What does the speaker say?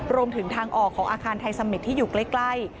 รวมถึงทางออกของอาคารไทยสมิตรที่อยู่ใกล้